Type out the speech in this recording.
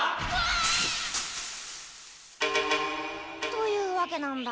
あっ！というわけなんだ。